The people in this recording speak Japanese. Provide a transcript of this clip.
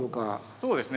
そうですね。